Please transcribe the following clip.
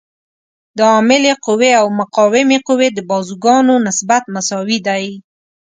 د عاملې قوې او مقاومې قوې د بازوګانو نسبت مساوي دی.